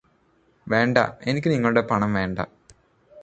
വേണ്ട എനിക്ക് നിങ്ങളുടെ പണം വേണ്ട